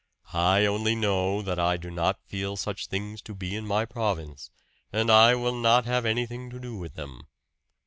I only know that I do not feel such things to be in my province; and I will not have anything to do with them."